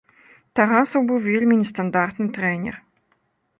Тарасаў быў вельмі нестандартны трэнер.